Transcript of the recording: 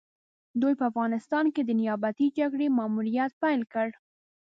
دوی په افغانستان کې د نيابتي جګړې ماموريت پيل کړ.